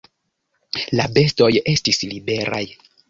La bestoj estis liberaj.